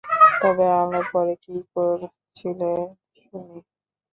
তবে আলো পেড়ে কি করছিলেন শুনি?